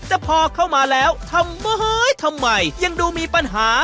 แต่พอเข้ามาแล้วทำไมทำไมยังดูมีปัญหา